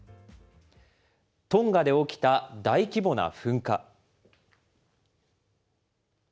トンガで起きた大規模な噴火。